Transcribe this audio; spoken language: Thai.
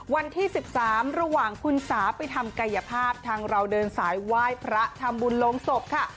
วันที่๑๓ระหว่างคุณสาไปทำกายภาพทางเราเดินสายไหว้พระทำบุญลงศพค่ะ